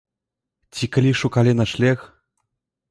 Ці калі шукалі начлег.